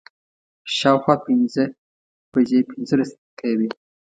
شا او خوا پنځه بجې پنځلس دقیقې وې.